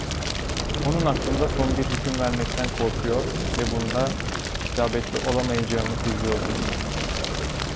Onun hakkında son bir hüküm vermekten korkuyor ve bunda isabetli olamayacağımı seziyordum.